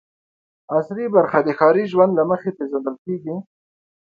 عصري برخه د ښاري ژوند له مخې پېژندل کېږي.